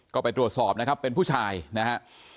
ก็ไปตรวจสอบนะครับเป็นผู้ชายนะฮะ